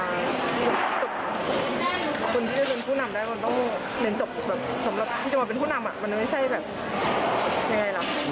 แล้วมันต้องเรียนจบแบบสำหรับที่จะมาเป็นผู้นำอ่ะมันไม่ใช่แบบยังไงหรอ